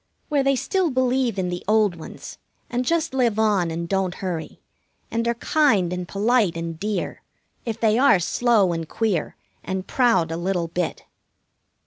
Where they still believe in the old ones, and just live on and don't hurry, and are kind and polite and dear, if they are slow and queer and proud a little bit.